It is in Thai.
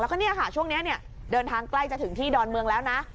แล้วก็เนี่ยค่ะช่วงนี้เนี่ยเดินทางใกล้จะถึงที่ดอนเมืองแล้วนะ